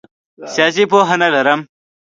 سیاسي پوهه نه لرم.